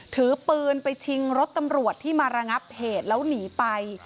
ถือปืนไปชิงรถตำรวจที่มาระงับเหตุแล้วหนีไป